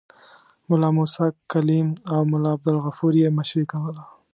ملا موسی کلیم او ملا عبدالغفور یې مشري کوله.